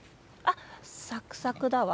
サクサクだわ。